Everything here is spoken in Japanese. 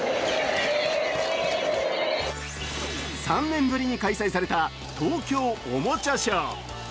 ３年ぶりに開催された東京おもちゃショー。